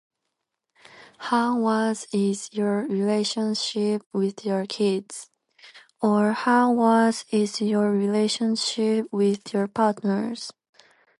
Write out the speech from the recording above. How was is your relationship with your kids or how was is your relationship with your partners?